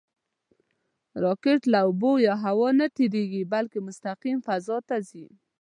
راکټ له اوبو یا هوا نه نهتېرېږي، بلکې مستقیم فضا ته ځي